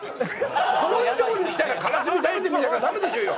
こういうとこに来たらからすみ頼んでみなきゃダメでしょうよ！